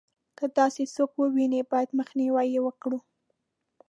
که داسې څوک ووینو باید مخنیوی یې وکړو.